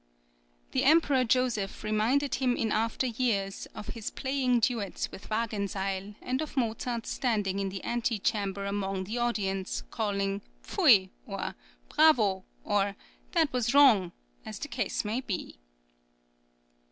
" The Emperor Joseph reminded him in after years of his playing duets with Wagenseil, and of Mozart's standing in the antechamber among the audience, calling "Pfui!" or "Bravo!" or "That was wrong!" as the case might be.